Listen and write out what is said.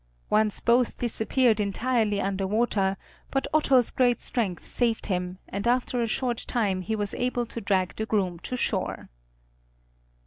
Once both disappeared entirely under water, but Otto's great strength saved him, and after a short time he was able to drag the groom to shore.